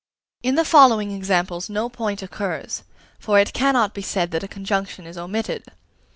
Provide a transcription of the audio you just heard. In the following examples no point occurs; for it cannot be said that a conjunction is omitted.